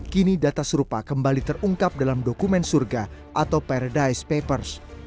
kini data serupa kembali terungkap dalam dokumen surga atau paradise papers